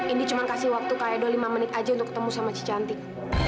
indy cuman kasih waktu kak edo lima menit aja untuk ketemu sama si cantik